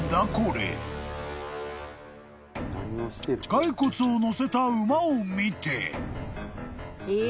［骸骨を乗せた馬を見て］